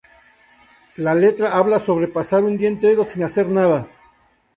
La letra habla sobre pasar un día entero "sin hacer nada".